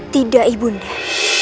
tidak ibu nera